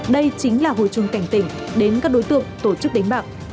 đây chính là hồi chuông cảnh tỉnh đến các đối tượng tổ chức đánh bạc